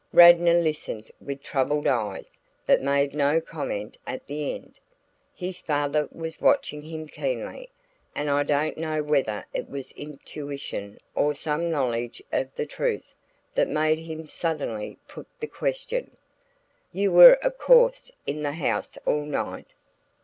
Radnor listened with troubled eyes but made no comment at the end. His father was watching him keenly, and I don't know whether it was intuition or some knowledge of the truth that made him suddenly put the question: "You were of course in the house all night?"